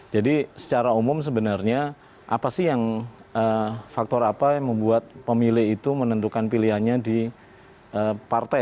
jadi secara umum sebenarnya apa sih yang faktor apa yang membuat pemilih itu menentukan pilihannya di partai